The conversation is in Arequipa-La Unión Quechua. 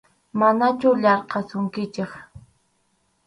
Manachu yarqasunkichik.